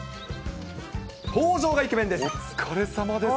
登場がイケメンです。